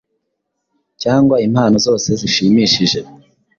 cyangwa impano zose zishimishije,